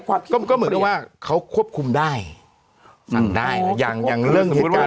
ก็มันก็เหมือนกับว่าเขาควบคุมได้สั่งได้นะอย่างอย่างเรื่องเหตุการณ์